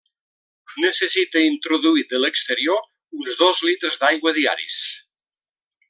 Necessita introduir de l'exterior uns dos litres d'aigua diaris.